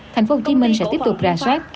tp hcm sẽ tiếp tục ra sát